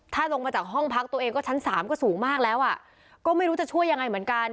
ถ้าลงมาจากห้องพักตัวเองก็ชั้นสามก็สูงมากแล้วอ่ะก็ไม่รู้จะช่วยยังไงเหมือนกัน